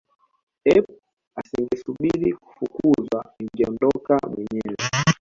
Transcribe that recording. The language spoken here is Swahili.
ep asingesubiri kufukuzwa angejiondoa mwenyewe